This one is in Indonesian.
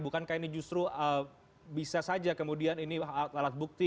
bukankah ini justru bisa saja kemudian ini alat bukti